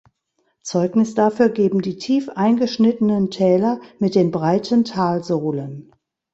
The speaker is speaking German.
Zeugnis dafür geben die tief eingeschnittenen Täler mit den breiten Talsohlen.